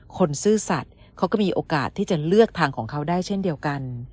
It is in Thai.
ซื่อสัตว์เขาก็มีโอกาสที่จะเลือกทางของเขาได้เช่นเดียวกัน